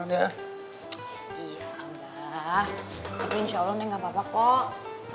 iya ambah tapi insya allah nih gak apa apa kok